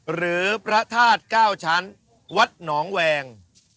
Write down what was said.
หรือพระธาตุ๙ชั้นวัดหนองแวง